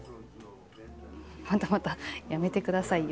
またまたやめてくださいよ。